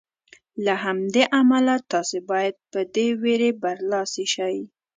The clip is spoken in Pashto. او له همدې امله تاسې باید په دې وېرې برلاسي شئ.